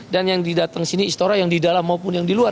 dan yang didatang sini istora yang di dalam maupun yang di luar